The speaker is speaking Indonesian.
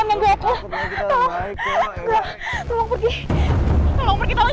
mau diantar gak nih sama bang